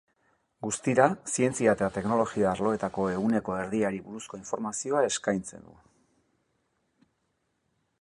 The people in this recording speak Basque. Guztira, zientzia eta teknologia arloetako ehuneko erdiari buruzko informazioa eskaintze du.